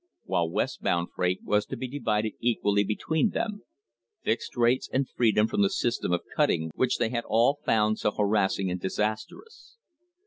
while West bound freight was to be divided equally between them — fixed rates, and freedom from the system of cutting which they had all found so harassing and disastrous.